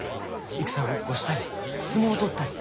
戦ごっこしたり相撲取ったり。